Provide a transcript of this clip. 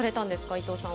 伊藤さんは。